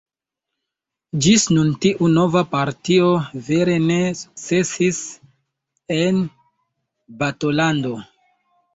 Ĝis nun tiu nova partio vere ne sukcesis en balotado.